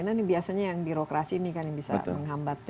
nah ini biasanya yang birokrasi ini kan yang bisa menghambatnya